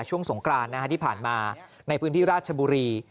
ช่วงสงกรานที่ผ่านมาในพื้นที่ราชบุรี